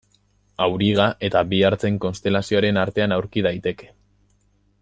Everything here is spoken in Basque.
Auriga eta bi hartzen konstelazioaren artean aurki daiteke.